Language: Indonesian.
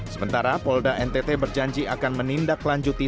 sementara polda ntt berjanji akan menindaklanjuti